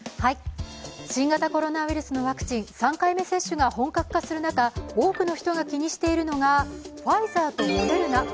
新型コロナウイルスのワクチン、３回目接種が本格化する中多くの人が気にしているのがファイザーとモデルナ